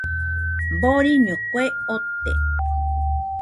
Doriño kue ote.